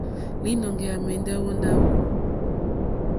Līnɔ̄ŋgɛ̄ à mɛ̀ndɛ́ ó ndáwù.